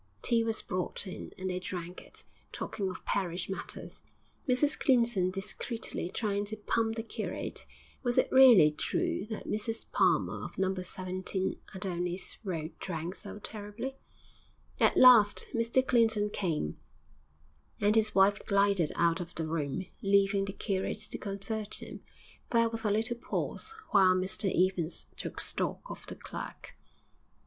Tea was brought in, and they drank it, talking of parish matters, Mrs Clinton discreetly trying to pump the curate. Was it really true that Mrs Palmer of No. 17 Adonis Road drank so terribly? At last Mr Clinton came, and his wife glided out of the room, leaving the curate to convert him. There was a little pause while Mr Evans took stock of the clerk.